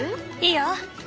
いいよ。